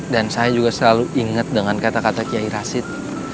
dan saya juga selalu inget dengan kata kata kiai rashid